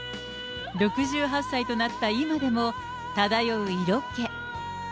６８歳となった今でも、漂う色気。